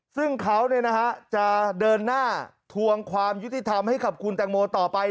ซึ่งเขาจะเดินหน้าทวงความยุติธรรมให้กับคุณแตงโมต่อไป